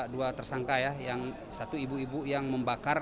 dua tersangka ya yang satu ibu ibu yang membakar